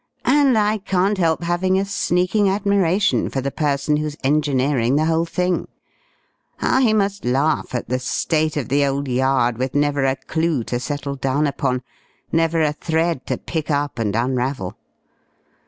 "And I can't help having a sneaking admiration for the person who's engineering the whole thing. How he must laugh at the state of the old Yard, with never a clue to settle down upon, never a thread to pick up and unravel!